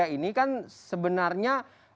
ini kan sebenarnya